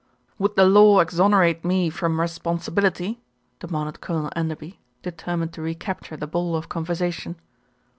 "Would the law exonerate me from responsibility?" demanded Colonel Enderby, determined to recapture the ball of conversation.